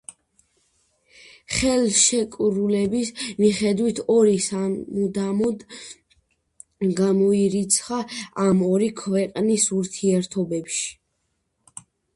ხელშეკრულების მიხედვით ომი სამუდამოდ გამოირიცხა ამ ორი ქვეყნის ურთიერთობებში.